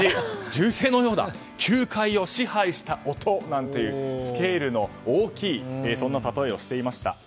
銃声のようだ球界を支配した音なんていうスケールの大きい例えをしていました。